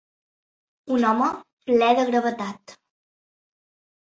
Un home ple de gravetat.